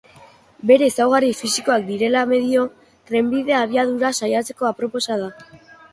Bere ezaugarri fisikoak direla medio, trenbidea abiadura saiatzeko aproposa da.